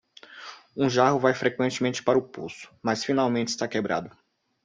Um jarro vai frequentemente para o poço?, mas finalmente está quebrado.